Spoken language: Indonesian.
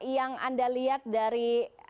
yang anda lihat dari